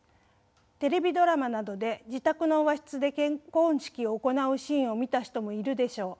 テレビドラマなどで自宅の和室で結婚式を行うシーンを見た人もいるでしょう。